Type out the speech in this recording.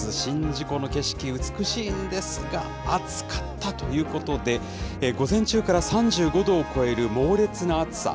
宍道湖の景色、美しいんですが、暑かったということで、午前中から３５度を超える猛烈な暑さ。